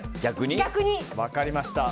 分かりました。